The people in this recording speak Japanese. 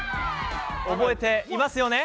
覚えてますよね？